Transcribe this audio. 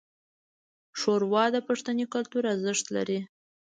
ښوروا د پښتني کلتور ارزښت لري.